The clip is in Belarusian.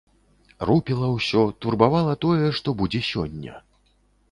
Рупіла ўсё, турбавала тое, што будзе сёння.